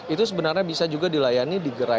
itu sebenarnya bisa juga dilayani di gerai